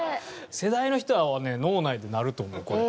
世代の人はね脳内で鳴ると思うこれ。